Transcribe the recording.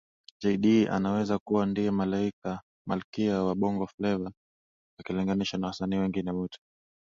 Jay Dee anaweza kuwa ndiye Malkia wa Bongo Fleva akilinganishwa na wasanii wengine wote